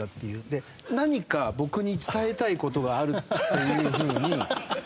何か僕に伝えたい事があるっていう風に。